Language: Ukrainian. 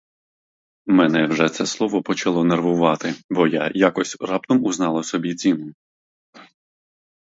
Мене вже це слово почало нервувати, бо я якось раптом узнала собі ціну.